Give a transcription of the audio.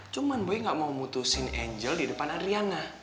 cuman gue gak mau putusin angel di depan ariana